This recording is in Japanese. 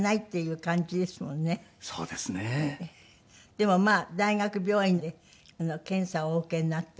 でもまあ大学病院で検査をお受けになった。